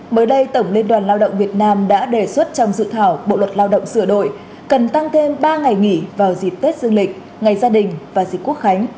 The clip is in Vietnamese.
mới đây tổng liên đoàn lao động việt nam đã đề xuất trong dự thảo bộ luật lao động sửa đổi cần tăng thêm ba ngày nghỉ vào dịp tết dương lịch ngày gia đình và dịp quốc khánh